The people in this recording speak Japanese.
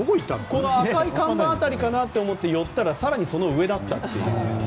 赤い看板の辺りかなと思って寄ったら更にその上だったという。